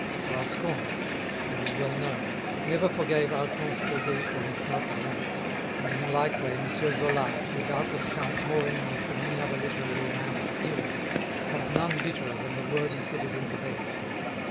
Tarascon, as is well known, never forgave Alphonse Daudet for his "Tartarin"; and in a like way M. Zola, who doubtless counts more enemies than any other literary man of the period, has none bitterer than the worthy citizens of Aix.